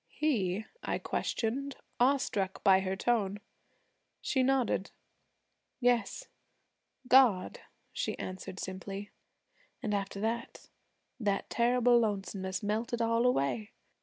'He?' I questioned, awestruck by her tone. She nodded. 'Yes, God,' she answered simply. 'An' after that, that terrible lonesomeness melted all away.